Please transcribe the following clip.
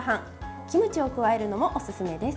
キムチを加えるのもおすすめです。